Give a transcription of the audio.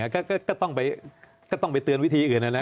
หาไม่ได้ก็ต้องไปเตือนวิธีอื่น